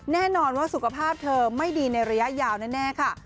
แน่นอนว่าสุขภาพเธอไม่ดีในระยะยาวแน่ค่ะ